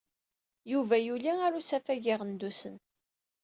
Yuba yuli ɣer usafag n Iɣendusen.